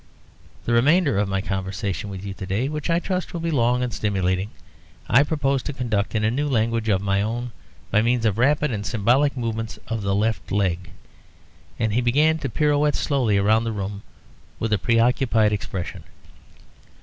The remainder of my conversation with you to day, which I trust will be long and stimulating, I propose to conduct in a new language of my own by means of rapid and symbolic movements of the left leg." And he began to pirouette slowly round the room with a preoccupied expression.